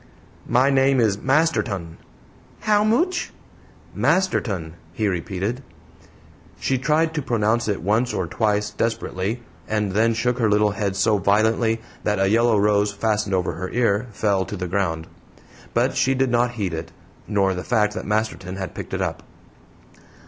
"My name is Masterton." "How mooch?" "Masterton," he repeated. She tried to pronounce it once or twice desperately, and then shook her little head so violently that a yellow rose fastened over her ear fell to the ground. But she did not heed it, nor the fact that Masterton had picked it up.